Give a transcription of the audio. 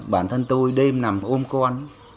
bản thân tôi đêm nằm ôm con